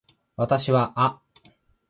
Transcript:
私はあ